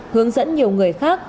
hướng dẫn nhiều người khác